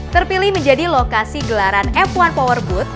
terpilih menjadi lokasi gelaran f satu powerboat